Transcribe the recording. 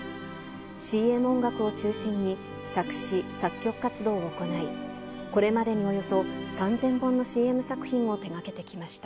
ＣＭ音楽を中心に、作詞・作曲活動を行い、これまでにおよそ３０００本のＣＭ作品を手がけてきました。